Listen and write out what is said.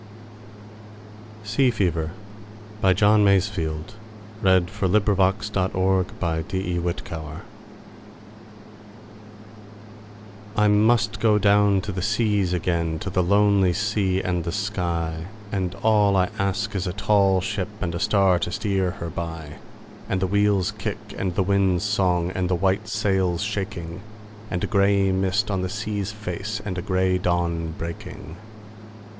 s: A B . C D . E F . G H . I J . K L . M N . O P . Q R . S T . U V . W X . Y Z Sea Fever I MUST down to the seas again, to the lonely sea and the sky, And all I ask is a tall ship and a star to steer her by, And the wheel's kick and the wind's song and the white sail's shaking, And a gray mist on the sea's face, and a gray dawn breaking.